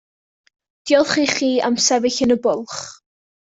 Diolch i chi am sefyll yn y bwlch.